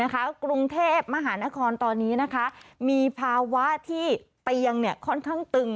กรุงเทพมหานครตอนนี้มีภาวะที่เตียงค่อนข้างตึง